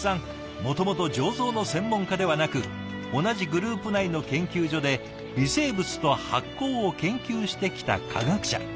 もともと醸造の専門家ではなく同じグループ内の研究所で「微生物と発酵」を研究してきた科学者。